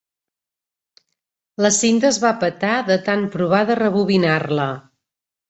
La cinta es va petar de tant provar de rebobinar-la.